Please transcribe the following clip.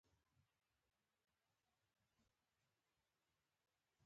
د کومو تدابیرو په نیولو د داسې پېښو مخنیوی کېدای شي.